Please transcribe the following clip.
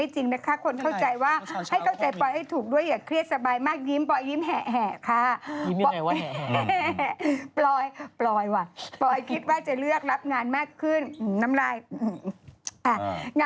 จริงสวยจริงสวยจริง